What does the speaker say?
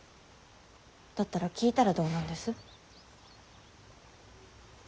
だったら聞いたらどうなんです。